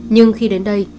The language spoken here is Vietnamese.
nhưng khi đến đây